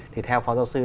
thì theo phó giáo sư